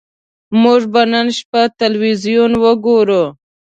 موږ به نن شپه ټلویزیون وګورو